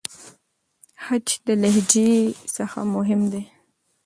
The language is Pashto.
خج د لهجې څخه مهم دی.